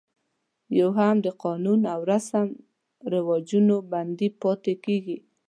یو هم د قانون او رسم و رواجونو بندي پاتې کېږي.